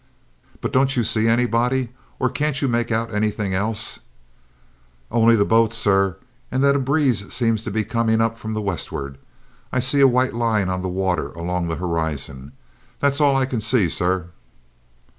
"But don't you see anybody, or can't you make anything else out?" "Only the boat, sir, and that a breeze seems coming up from the westward. I see a white line on the water along the horizon. That's all I can see, sir!"